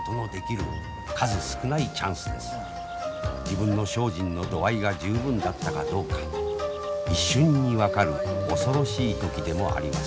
自分の精進の度合いが十分だったかどうか一瞬に分かる恐ろしい時でもあります。